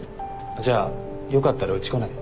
じゃあよかったらうち来ない？